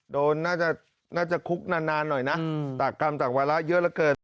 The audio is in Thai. น่าจะน่าจะคุกนานหน่อยนะต่างกรรมต่างวาระเยอะเหลือเกิน